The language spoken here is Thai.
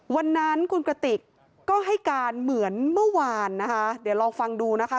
วันนั้นคุณกระติกก็ให้การเหมือนเมื่อวานนะคะเดี๋ยวลองฟังดูนะคะ